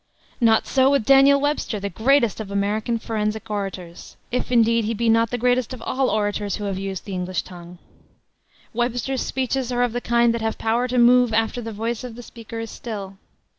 Not so with Daniel Webster, the greatest of American forensic orators, if, indeed, he be not the greatest of all orators who have used the English tongue. Webster's speeches are of the kind that have power to move after the voice of the speaker is still.